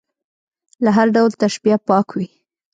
له هر ډول تشبیه پاک وي.